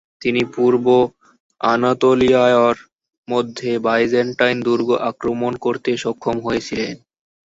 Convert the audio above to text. তিনি পূর্ব আনাতলিয়ায়র মধ্যে বাইজেন্টাইন দুর্গ আক্রমণ করতে সক্ষম হয়েছিলেন।